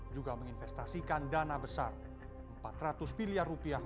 juga menginvestasikan dana besar empat ratus miliar rupiah